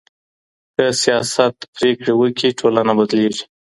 که سیاست پرېکړې وکړي ټولنه بدلیږي.